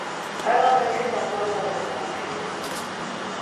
Alain Menu s'impose dans cette manche.